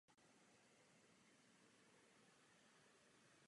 Má nejblíže k speciální pedagogice i k medicíně.